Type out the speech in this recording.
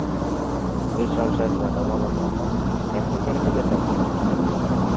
"Biz şol şertlerde bolan bolsadyk nähili hereket ederdik?"